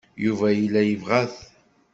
Yuba yella yebɣa-t.